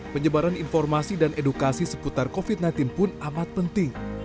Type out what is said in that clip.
penyebaran informasi dan edukasi seputar covid sembilan belas pun amat penting